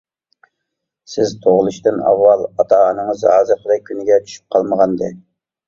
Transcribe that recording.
سىز تۇغۇلۇشتىن ئاۋۋال ئاتا-ئانىڭىز ھازىرقىدەك كۈنگە چۈشۈپ قالمىغانىدى.